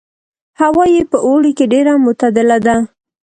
هوا یې په اوړي کې ډېره معتدله ده.